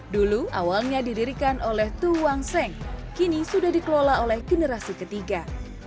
dulu awalnya didirikan oleh tuwang seng kini sudah dikelola oleh generasi ketiga